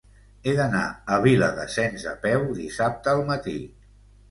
He d'anar a Viladasens a peu dissabte al matí.